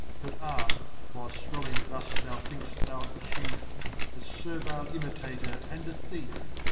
Bui Butart(while fwclling thus thou tirink'ft th'art Chief) A fervile Imitator and a Thief t.